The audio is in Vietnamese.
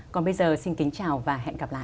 còn bây giờ xin kính chào và hẹn gặp lại